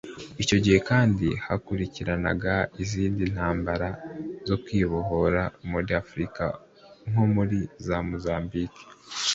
Icyo gihe kandi nakurikiranaga izindi ntambara zo kwibohora muri Afurika nko muri za Mozambike